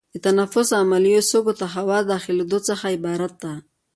د تنفس عملیه سږو ته د هوا د داخلېدو څخه عبارت ده.